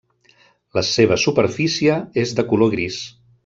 La seva superfície és de color gris.